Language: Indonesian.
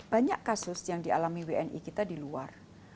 banyak kasus yang dialami wni kita di luar